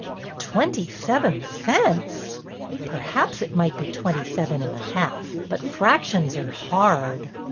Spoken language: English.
'^ Twenty seven cents !" Perhaps it might be twenty seven and a half, but fractions are hard."